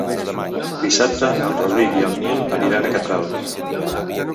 Dissabte en Rauric i en Nil aniran a Catral.